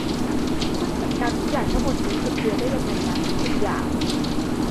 คุณจัดการทุกอย่างทั้งหมดนี้คนเดียวได้ยังไงนะ คุณหยาง